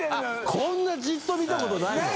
こんなじっと見たことないもん！